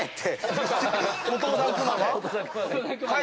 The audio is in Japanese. って。